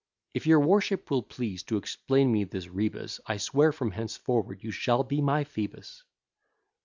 If your worship will please to explain me this rebus, I swear from henceforward you shall be my Phoebus.